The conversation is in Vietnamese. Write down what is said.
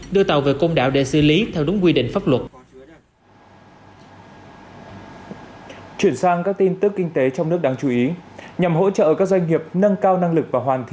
đưa tàu về công đảo để xử lý theo đúng quy định pháp luật